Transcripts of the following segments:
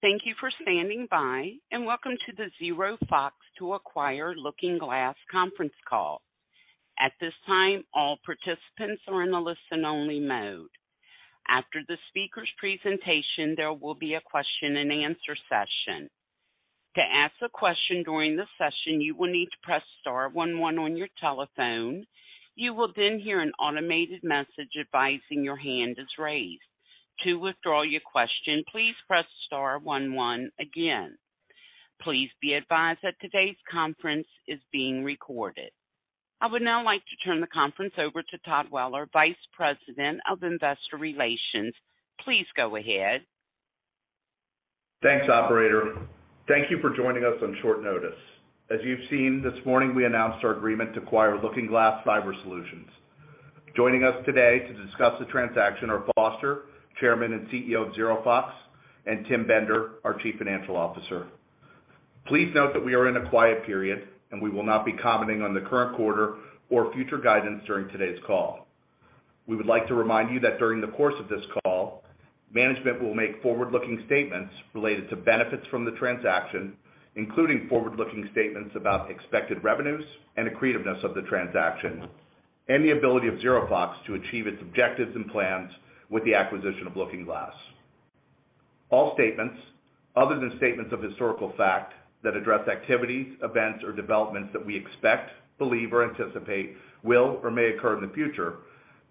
Thank you for standing by. Welcome to the ZeroFox to Acquire LookingGlass Conference Call. At this time, all participants are in a listen only mode. After the speaker's presentation, there will be a question and answer session. To ask a question during the session, you will need to press star one one on your telephone. You will hear an automated message advising your hand is raised. To withdraw your question, please press star one one again. Please be advised that today's conference is being recorded. I would now like to turn the conference over to Todd Weller, Vice President of Investor Relations. Please go ahead. Thanks, operator. Thank you for joining us on short notice. As you've seen this morning, we announced our agreement to acquire LookingGlass Cyber Solutions. Joining us today to discuss the transaction are Foster, Chairman and CEO of ZeroFox, and Tim Bender, our Chief Financial Officer. Please note that we are in a quiet period. We will not be commenting on the current quarter or future guidance during today's call. We would like to remind you that during the course of this call, management will make forward-looking statements related to benefits from the transaction, including forward-looking statements about expected revenues and accretiveness of the transaction, and the ability of ZeroFox to achieve its objectives and plans with the acquisition of LookingGlass. All statements other than statements of historical fact that address activities, events, or developments that we expect, believe, or anticipate will or may occur in the future,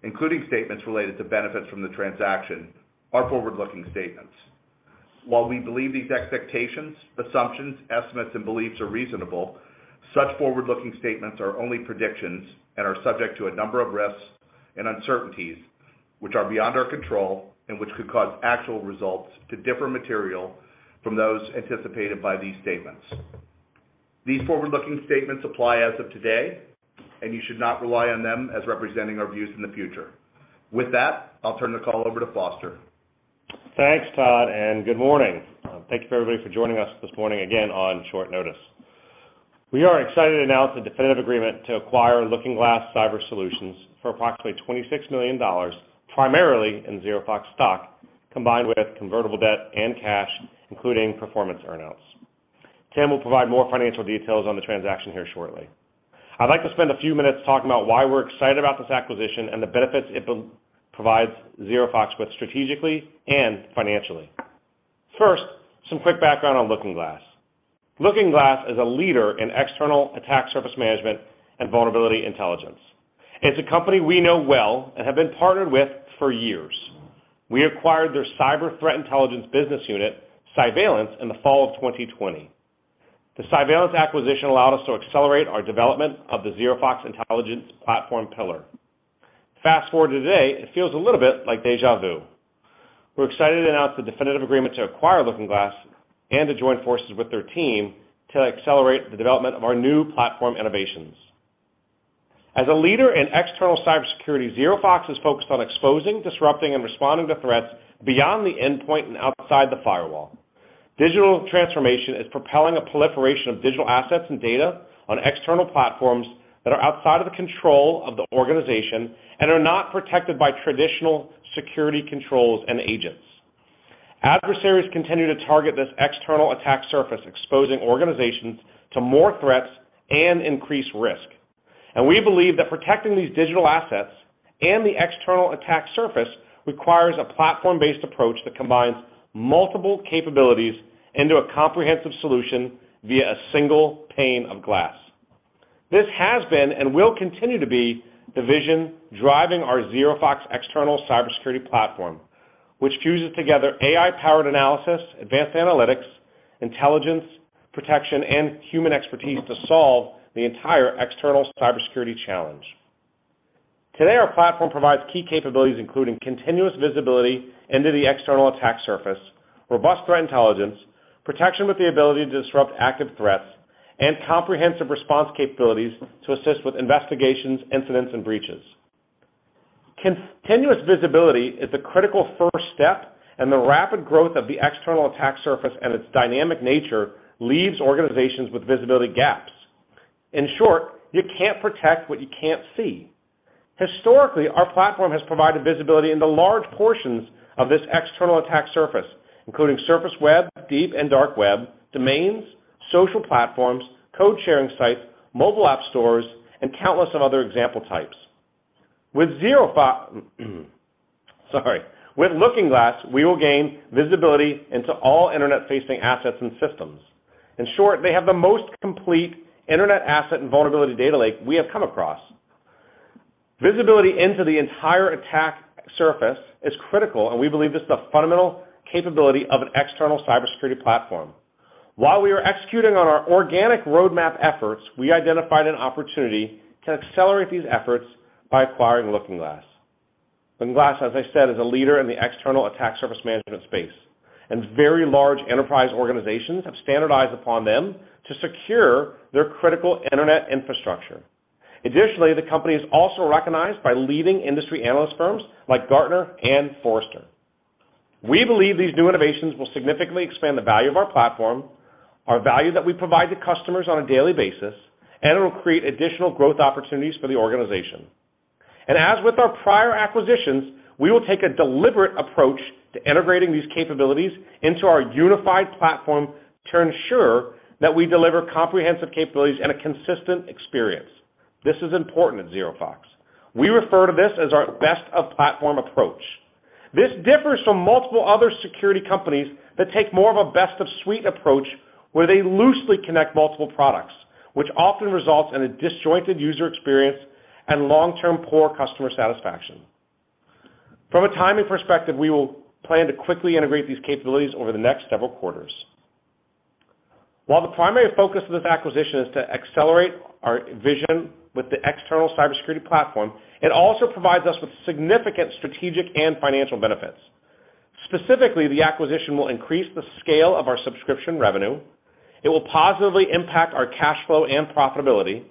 including statements related to benefits from the transaction are forward-looking statements. While we believe these expectations, assumptions, estimates, and beliefs are reasonable, such forward-looking statements are only predictions and are subject to a number of risks and uncertainties which are beyond our control and which could cause actual results to differ material from those anticipated by these statements. These forward-looking statements apply as of today. You should not rely on them as representing our views in the future. With that, I'll turn the call over to Foster. Thanks, Todd. Good morning. Thank you for everybody for joining us this morning, again, on short notice. We are excited to announce the definitive agreement to acquire LookingGlass Cyber Solutions for approximately $26 million, primarily in ZeroFox stock, combined with convertible debt and cash, including performance earnouts. Tim will provide more financial details on the transaction here shortly. I'd like to spend a few minutes talking about why we're excited about this acquisition and the benefits it will provide ZeroFox with strategically and financially. First, some quick background on LookingGlass. LookingGlass is a leader in external attack surface management and vulnerability intelligence. It's a company we know well and have been partnered with for years. We acquired their cyber threat intelligence business unit, Cyveillance, in the fall of 2020. The Cyveillance acquisition allowed us to accelerate our development of the ZeroFox intelligence platform pillar. Fast-forward to today, it feels a little bit like deja vu. We're excited to announce the definitive agreement to acquire LookingGlass and to join forces with their team to accelerate the development of our new platform innovations. As a leader in external cybersecurity, ZeroFox is focused on exposing, disrupting, and responding to threats beyond the endpoint and outside the firewall. Digital transformation is propelling a proliferation of digital assets and data on external platforms that are outside of the control of the organization and are not protected by traditional security controls and agents. Adversaries continue to target this external attack surface, exposing organizations to more threats and increased risk. We believe that protecting these digital assets and the external attack surface requires a platform-based approach that combines multiple capabilities into a comprehensive solution via a single pane of glass. This has been and will continue to be the vision driving our ZeroFox External Cybersecurity Platform, which fuses together AI-powered analysis, advanced analytics, intelligence, protection, and human expertise to solve the entire external cybersecurity challenge. Today, our platform provides key capabilities, including continuous visibility into the external attack surface, robust threat intelligence, protection with the ability to disrupt active threats, and comprehensive response capabilities to assist with investigations, incidents, and breaches. Continuous visibility is the critical first step, the rapid growth of the external attack surface and its dynamic nature leaves organizations with visibility gaps. In short, you can't protect what you can't see. Historically, our platform has provided visibility into large portions of this external attack surface, including surface web, deep and dark web, domains, social platforms, code sharing sites, mobile app stores, and countless of other example types. With LookingGlass, we will gain visibility into all Internet-facing assets and systems. In short, they have the most complete Internet asset and vulnerability data lake we have come across. Visibility into the entire attack surface is critical. We believe this is a fundamental capability of an external cybersecurity platform. While we are executing on our organic roadmap efforts, we identified an opportunity to accelerate these efforts by acquiring LookingGlass. LookingGlass, as I said, is a leader in the external attack surface management space. Very large enterprise organizations have standardized upon them to secure their critical Internet infrastructure. Additionally, the company is also recognized by leading industry analyst firms like Gartner and Forrester. We believe these new innovations will significantly expand the value of our platform, our value that we provide to customers on a daily basis, and it will create additional growth opportunities for the organization. As with our prior acquisitions, we will take a deliberate approach to integrating these capabilities into our unified platform to ensure that we deliver comprehensive capabilities and a consistent experience. This is important at ZeroFox. We refer to this as our best of platform approach. This differs from multiple other security companies that take more of a best of suite approach, where they loosely connect multiple products, which often results in a disjointed user experience and long-term poor customer satisfaction. From a timing perspective, we will plan to quickly integrate these capabilities over the next several quarters. While the primary focus of this acquisition is to accelerate our vision with the External Cybersecurity Platform, it also provides us with significant strategic and financial benefits. Specifically, the acquisition will increase the scale of our subscription revenue, it will positively impact our cash flow and profitability,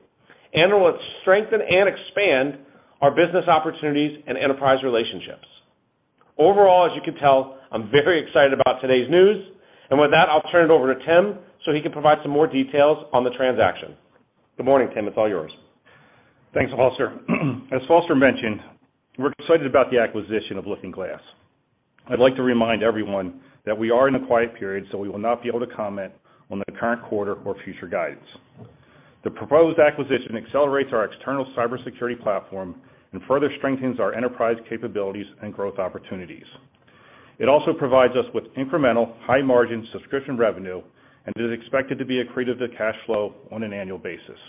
and it will strengthen and expand our business opportunities and enterprise relationships. Overall, as you can tell, I'm very excited about today's news. With that, I'll turn it over to Tim so he can provide some more details on the transaction. Good morning, Tim. It's all yours. Thanks, Foster. As Foster mentioned, we're excited about the acquisition of LookingGlass. I'd like to remind everyone that we are in a quiet period. We will not be able to comment on the current quarter or future guidance. The proposed acquisition accelerates our External Cybersecurity Platform and further strengthens our enterprise capabilities and growth opportunities. It also provides us with incremental high margin subscription revenue. It is expected to be accretive to cash flow on an annual basis.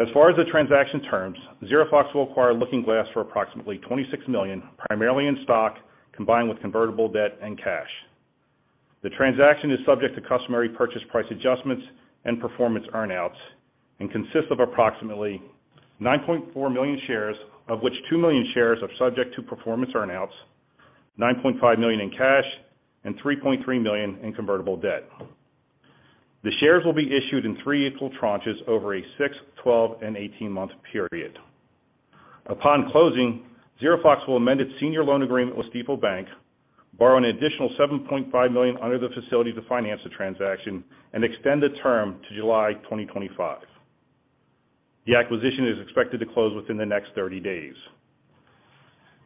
As far as the transaction terms, ZeroFox will acquire LookingGlass for approximately $26 million, primarily in stock, combined with convertible debt and cash. The transaction is subject to customary purchase price adjustments and performance earn-outs, and consists of approximately $9.4 million shares, of which $2 million shares are subject to performance earn-outs, $9.5 million in cash, and $3.3 million in convertible debt. The shares will be issued in 3 equal tranches over a 6, 12, and 18-month period. Upon closing, ZeroFox will amend its senior loan agreement with Stifel Bank, borrow an additional $7.5 million under the facility to finance the transaction and extend the term to July 2025. The acquisition is expected to close within the next 30 days.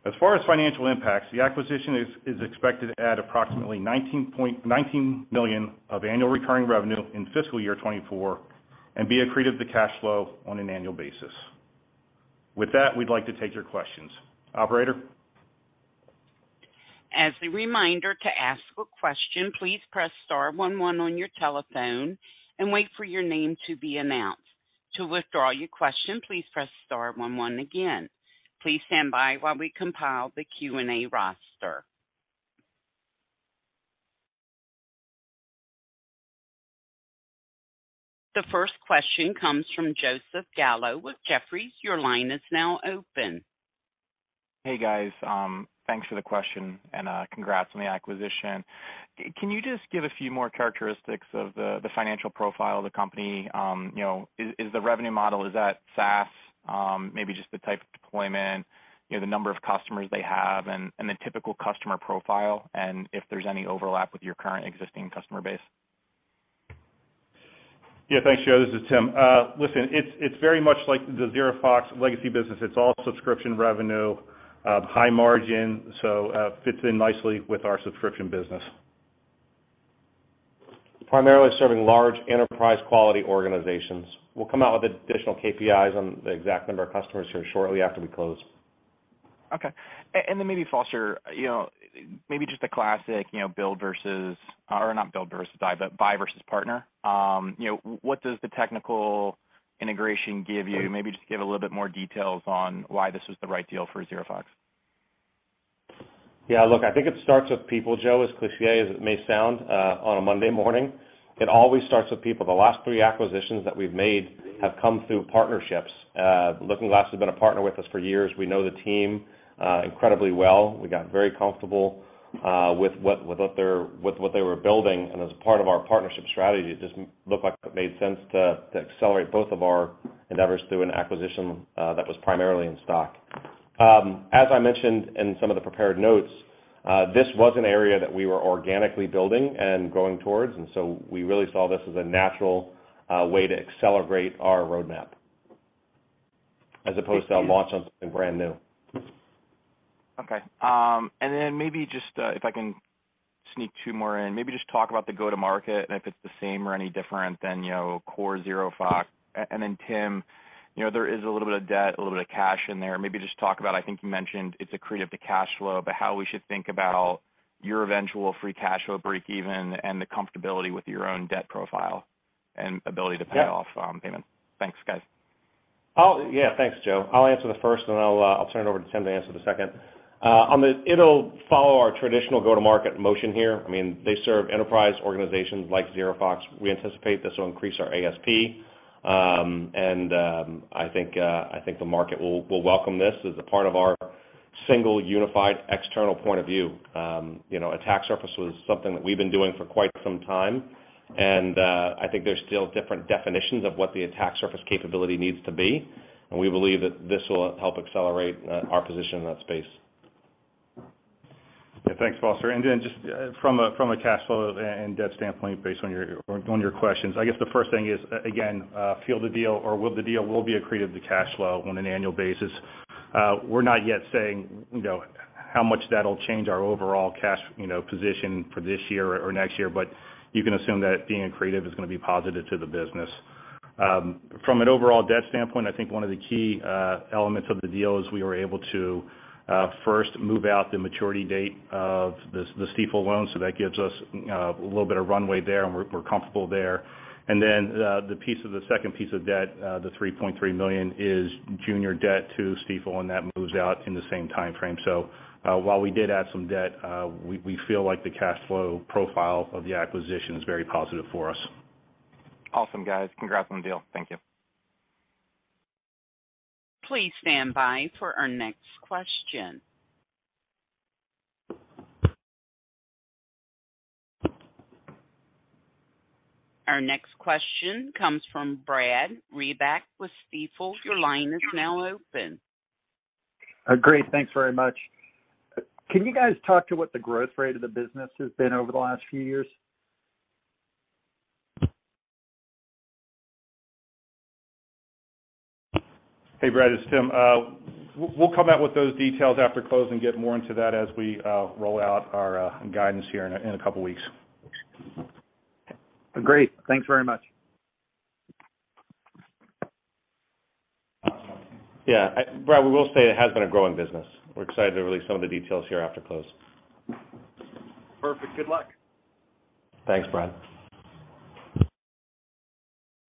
As far as financial impacts, the acquisition is expected to add approximately $19 million of annual recurring revenue in fiscal year 2024 and be accretive to cash flow on an annual basis. With that, we'd like to take your questions. Operator? As a reminder, to ask a question, please press star one one on your telephone and wait for your name to be announced. To withdraw your question, please press star one one again. Please stand by while we compile the Q&A roster. The first question comes from Joseph Gallo with Jefferies. Your line is now open. Hey, guys. Thanks for the question and congrats on the acquisition. Can you just give a few more characteristics of the financial profile of the company? You know, is the revenue model, is that SaaS? Maybe just the type of deployment, you know, the number of customers they have and the typical customer profile, and if there's any overlap with your current existing customer base. Yeah. Thanks, Joe. This is Tim. listen, it's very much like the ZeroFox legacy business. It's all subscription revenue, high margin, so, fits in nicely with our subscription business. Primarily serving large enterprise quality organizations. We'll come out with additional KPIs on the exact number of customers here shortly after we close. Okay. Maybe Foster, you know, maybe just a classic, you know, or not build versus buy, but buy versus partner. You know, what does the technical integration give you? Maybe just give a little bit more details on why this was the right deal for ZeroFox. Yeah. Look, I think it starts with people, Joe, as cliché as it may sound, on a Monday morning. It always starts with people. The last three acquisitions that we've made have come through partnerships. LookingGlass has been a partner with us for years. We know the team incredibly well. We got very comfortable with what they were building. As part of our partnership strategy, it just looked like it made sense to accelerate both of our endeavors through an acquisition that was primarily in stock. As I mentioned in some of the prepared notes, this was an area that we were organically building and growing towards, we really saw this as a natural way to accelerate our roadmap as opposed to launch on something brand new. Okay. Maybe just, if I can sneak two more in. Maybe just talk about the go-to-market and if it's the same or any different than, you know, core ZeroFox? Tim, you know, there is a little bit of debt, a little bit of cash in there. Maybe just talk about, I think you mentioned it's accretive to cash flow, but how we should think about your eventual free cash flow breakeven and the comfortability with your own debt profile and ability to pay off, payment? Thanks, guys. Yeah. Thanks, Joe. I'll answer the first, and I'll turn it over to Tim to answer the second. It'll follow our traditional go-to-market motion here. I mean, they serve enterprise organizations like ZeroFox. We anticipate this will increase our ASP. I think the market will welcome this as a part of our single, unified, external point of view. You know, attack surface was something that we've been doing for quite some time. I think there's still different definitions of what the attack surface capability needs to be, and we believe that this will help accelerate our position in that space. Yeah. Thanks, Foster. Just from a cash flow and debt standpoint, based on your questions. I guess the first thing is, again, the deal will be accretive to cash flow on an annual basis. We're not yet saying, you know, how much that'll change our overall cash, you know, position for this year or next year, but you can assume that being accretive is gonna be positive to the business. From an overall debt standpoint, I think one of the key elements of the deal is we were able to first move out the maturity date of the Stifel loan, that gives us a little bit of runway there, and we're comfortable there. The piece of the second piece of debt, the $3.3 million is junior debt to Stifel, and that moves out in the same timeframe. While we did add some debt, we feel like the cash flow profile of the acquisition is very positive for us. Awesome, guys. Congrats on the deal. Thank you. Please stand by for our next question. Our next question comes from Brad Reback with Stifel. Your line is now open. Great. Thanks very much. Can you guys talk to what the growth rate of the business has been over the last few years? Hey, Brad, it's Tim. we'll come out with those details after close and get more into that as we roll out our guidance here in a couple of weeks. Great. Thanks very much. Yeah. Brad, we will say it has been a growing business. We're excited to release some of the details here after close. Perfect. Good luck. Thanks, Brad.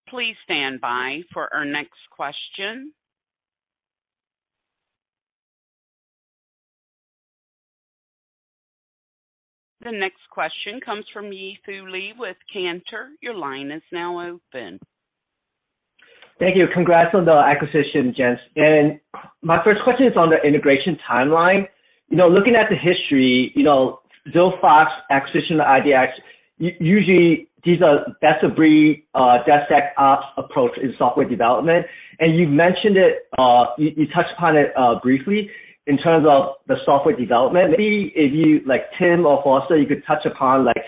Please stand by for our next question. The next question comes from Yi Fu Lee with Cantor. Your line is now open. Thank you. Congrats on the acquisition, gents. My first question is on the integration timeline. You know, looking at the history, you know, ZeroFox acquisition, IDX, usually, these are best of breed, DevSecOps approach in software development, and you've mentioned it, you touched upon it briefly in terms of the software development. Maybe if you, like, Tim or Foster, you could touch upon, like,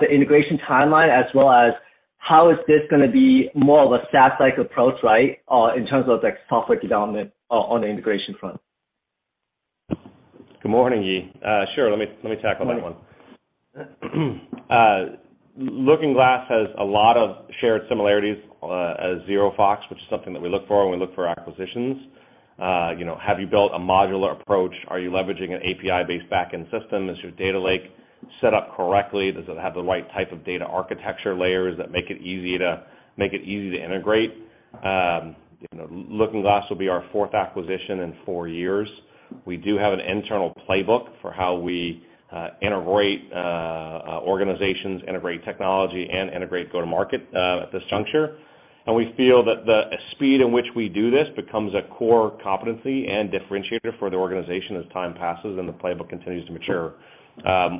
the integration timeline as well as how is this gonna be more of a SaaS-like approach, right, in terms of, like, software development on the integration front. Good morning, Yi. Sure. Let me tackle that one. LookingGlass has a lot of shared similarities as ZeroFox, which is something that we look for when we look for acquisitions. You know, have you built a modular approach? Are you leveraging an API-based backend system? Is your data lake set up correctly? Does it have the right type of data architecture layers that make it easy to integrate? You know, LookingGlass will be our fourth acquisition in 4 years. We do have an internal playbook for how we integrate organizations, integrate technology, and integrate go-to-market at this juncture. We feel that the speed in which we do this becomes a core competency and differentiator for the organization as time passes and the playbook continues to mature.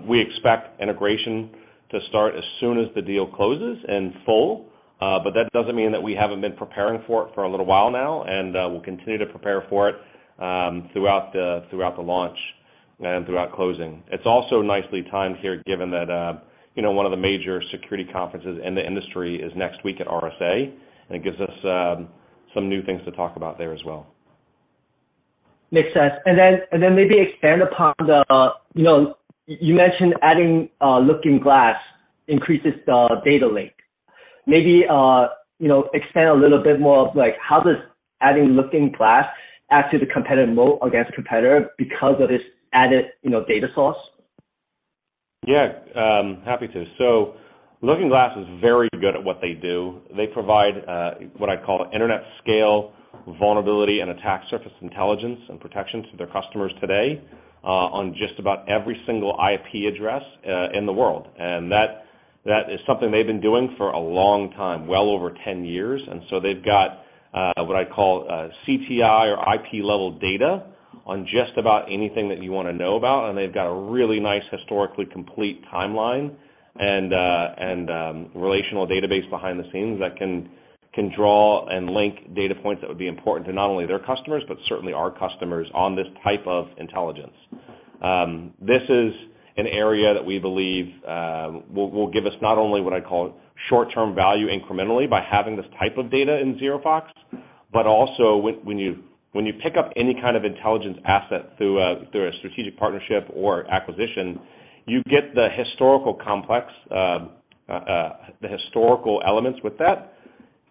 We expect integration to start as soon as the deal closes in full, but that doesn't mean that we haven't been preparing for it for a little while now, and we'll continue to prepare for it, throughout the, throughout the launch and throughout closing. It's also nicely timed here, given that, you know, one of the major security conferences in the industry is next week at RSA, and it gives us, some new things to talk about there as well. Makes sense. Maybe expand upon the, you know, you mentioned adding LookingGlass increases the data lake. Maybe, you know, expand a little bit more of, like, how does adding LookingGlass add to the competitive moat against competitor because of this added, you know, data source? Yeah, happy to. LookingGlass is very good at what they do. They provide what I call Internet scale vulnerability and attack surface intelligence and protection to their customers today on just about every single IP address in the world. That is something they've been doing for a long time, well over 10 years. They've got what I call CTI or IP-level data on just about anything that you wanna know about, and they've got a really nice, historically complete timeline and relational database behind the scenes that can draw and link data points that would be important to not only their customers, but certainly our customers on this type of intelligence. This is an area that we believe will give us not only what I call short-term value incrementally by having this type of data in ZeroFox, but also when you pick up any kind of intelligence asset through a strategic partnership or acquisition, you get the historical complex, the historical elements with that,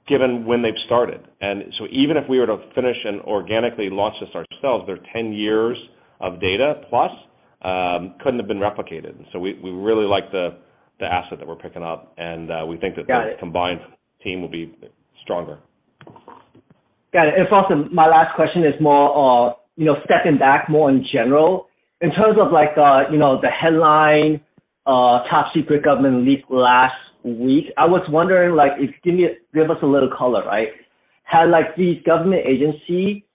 given when they've started. Even if we were to finish and organically launch this ourselves, their 10 years of data plus couldn't have been replicated. We really like the asset that we're picking up, and we think that- Got it. The combined team will be stronger. Got it. Foster, my last question is more, you know, stepping back more in general. In terms of, like, you know, the headline, top secret government leak last week, I was wondering, like, if you give us a little color, right? Had, like, the government agency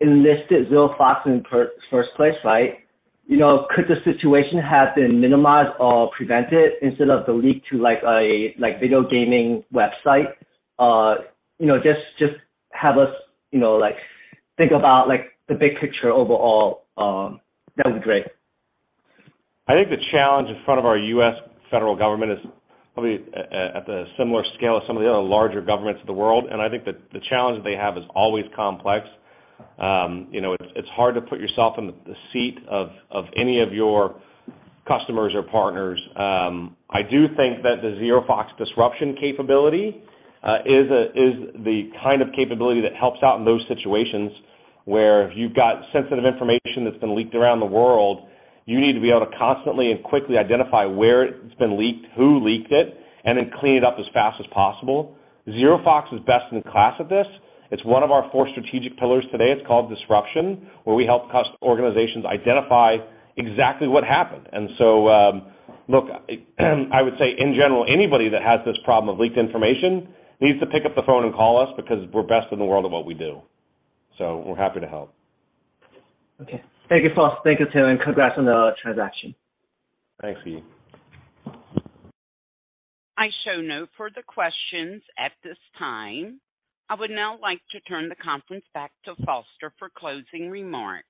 enlisted ZeroFox in first place, right? You know, could the situation have been minimized or prevented instead of the leak to like a, like video gaming website? You know, just have us, you know, like think about like the big picture overall, that would be great. I think the challenge in front of our U.S. federal government is probably at the similar scale of some of the other larger governments of the world. I think that the challenge that they have is always complex. You know, it's hard to put yourself in the seat of any of your customers or partners. I do think that the ZeroFox disruption capability is the kind of capability that helps out in those situations where you've got sensitive information that's been leaked around the world. You need to be able to constantly and quickly identify where it's been leaked, who leaked it, and then clean it up as fast as possible. ZeroFox is best in class at this. It's one of our four strategic pillars today. It's called disruption, where we help organizations identify exactly what happened. Look, I would say in general, anybody that has this problem of leaked information needs to pick up the phone and call us because we're best in the world at what we do. We're happy to help. Okay. Thank you, Foster. Thank you, Tim. Congrats on the transaction. Thanks, Yi. I show no further questions at this time. I would now like to turn the conference back to Foster for closing remarks.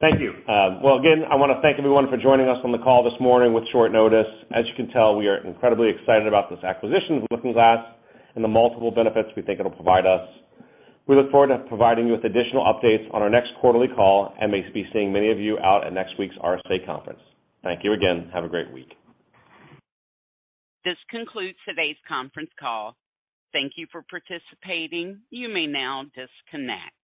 Thank you. Well, again, I wanna thank everyone for joining us on the call this morning with short notice. As you can tell, we are incredibly excited about this acquisition of LookingGlass and the multiple benefits we think it'll provide us. We look forward to providing you with additional updates on our next quarterly call and may be seeing many of you out at next week's RSA Conference. Thank you again. Have a great week. This concludes today's conference call. Thank you for participating. You may now disconnect.